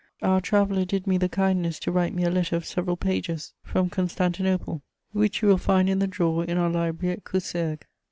Our traveller did me the kindness to write me a letter of several pages from Constantinople, which you will find in the drawer in our library at Coussergues.